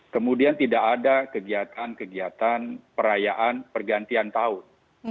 kemudian tidak ada kegiatan kegiatan perayaan pergantian tahun